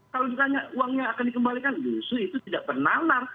kalau uangnya akan dikembalikan itu tidak bernalar